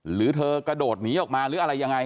หรือเธอกระโดดหนีออกมาหรืออะไรยังไง